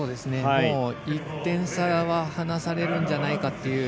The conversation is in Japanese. １点差は離されるんじゃないかという。